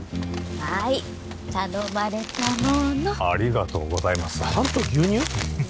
はい頼まれたものありがとうございますパンと牛乳？